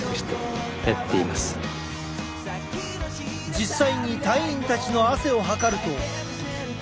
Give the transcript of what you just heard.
実際に隊員たちの汗を測ると。